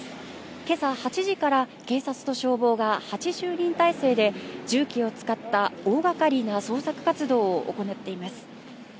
今朝８時から警察と消防が８０人体制で重機を使った大掛かりな捜索活動を行っています。